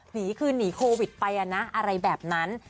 นี่คือหนีโควิดไปนะอะไรแบบนั้น